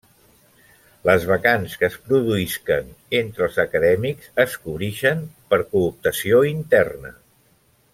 Les vacants que es produïsquen entre els acadèmics es cobrixen per cooptació interna.